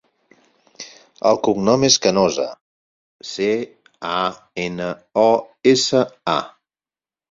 El cognom és Canosa: ce, a, ena, o, essa, a.